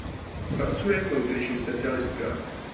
Pracuje jako nutriční specialistka.